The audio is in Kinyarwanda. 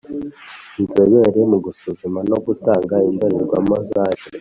Inzobere mu gusuzuma no gutanga indorerwamo zaje